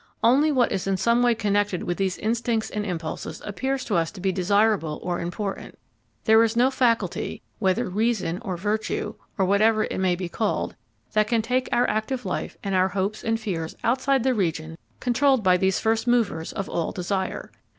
Only what is in some way connected with these instincts and impulses appears to us desirable or important; there is no faculty, whether "reason" or "virtue" or whatever it may be called, that can take our active life and our hopes and fears outside the region controlled by these first movers of all desire.